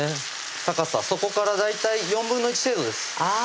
高さ底から大体４分の１程度ですあぁ